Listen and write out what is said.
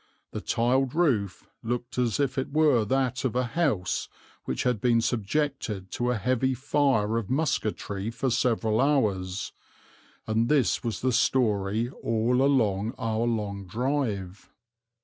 the tiled roof looked as if it were that of a house which had been subjected to a heavy fire of musketry for several hours; and this was the story all along our long drive."